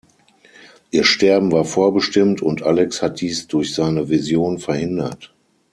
Ihr Sterben war vorbestimmt, und Alex hat dies durch seine Vision verhindert.